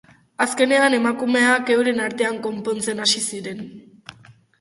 Azkenean, emakumeak euren artean konpontzen hasi ziren.